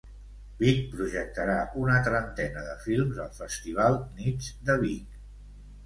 Vic projectarà una trentena de films al Festival Nits de Vic.